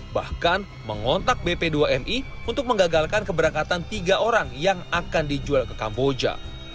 bahkan mengontak bp dua mi untuk menggagalkan keberangkatan tiga orang yang akan dijual ke kamboja